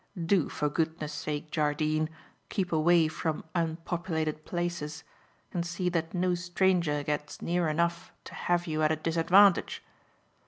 Do, for goodness sake, Jardine, keep away from unpopulated places and see that no stranger gets near enough to have you at a disadvantage."